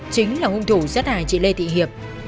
chính là hung thủ giắt hài chị lê thị hiệp